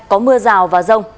có mưa rào và rông